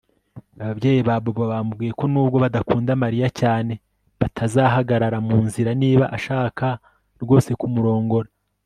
Ababyeyi ba Bobo bamubwiye ko nubwo badakunda Mariya cyane batazahagarara mu nzira niba ashaka rwose kumurongora